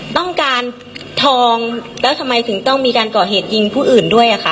ต้องการทองแล้วทำไมถึงต้องมีการก่อเหตุยิงผู้อื่นด้วยอะค่ะ